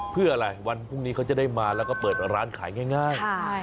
เพื่ออะไรวันพรุ่งนี้เขาจะได้มาแล้วก็เปิดร้านขายง่าย